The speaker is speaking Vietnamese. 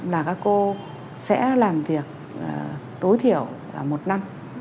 là các cô sẽ làm việc tối thiểu là một năm